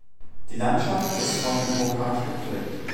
Die Landschaft ist von Bocage geprägt.